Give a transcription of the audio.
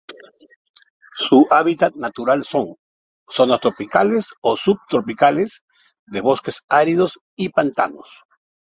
Su hábitat natural son: zonas tropicales o subtropicales, de bosques áridos y pantanos.